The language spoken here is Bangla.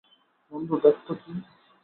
বন্ধু, দেখতো কী।